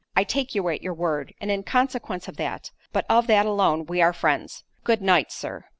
"I take you at your word, and in consequence of that, but of that alone, we are friends. Good night, Sir."